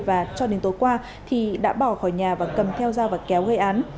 và cho đến tối qua thì đã bỏ khỏi nhà và cầm theo dao và kéo gây án